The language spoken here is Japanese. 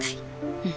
うん。